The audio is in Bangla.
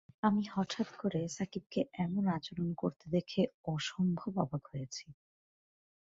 আমি হঠাত্ করে সাকিবকে এমন আচরণ করতে দেখে অসম্ভব অবাক হয়েছি।